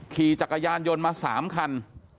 ขี่จักรยานยนต์มา๓คัน